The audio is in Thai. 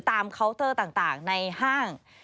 เคาน์เตอร์ต่างในห้าง